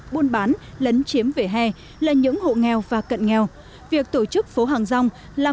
buôn bán lấn chiếm vỉa hè là những hộ nghèo và cận nghèo việc tổ chức phố hàng rong làm